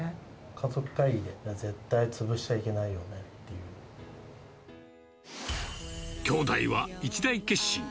家族会議で、絶対潰しちゃい兄妹は一大決心。